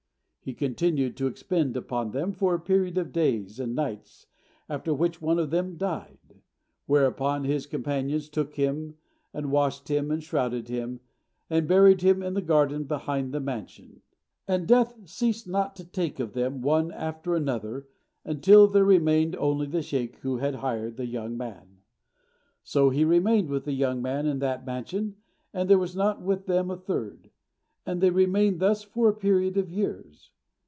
He continued to expend upon them for a period of days and nights, after which one of them died; whereupon his companions took him, and washed him and shrouded him, and buried him in a garden behind the mansion. And death ceased not to take of them one after another, until there remained only the sheykh who had hired the young man. So he remained with the young man in that mansion, and there was not with them a third; and they remained thus for a period of years.